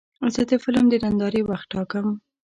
زه د فلم د نندارې وخت ټاکم.